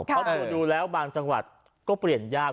เพราะดูแล้วบางจังหวัดก็เปลี่ยนยาก